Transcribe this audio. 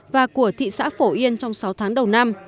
và của thị xã phổ yên trong sáu tháng đầu năm